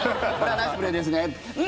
ナイスプレーですね！